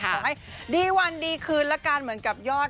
ขอให้ดีวันดีคืนละกันเหมือนกับยอด